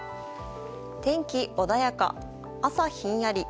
天気穏やか、朝ひんやり。